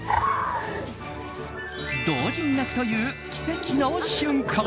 同時に鳴くという奇跡の瞬間。